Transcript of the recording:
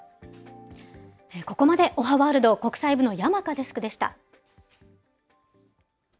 ここまでおはワールド、国際部の山香デスクでした。